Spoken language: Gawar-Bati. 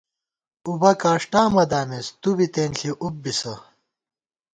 اُبہ کاݭٹا مہ دامېس تُوبی تېنݪی اُب بِسہ